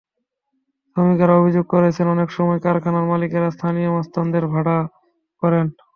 শ্রমিকেরা অভিযোগ করেছেন, অনেক সময় কারখানার মালিকেরা স্থানীয় মাস্তানদের ভাড়া করেন।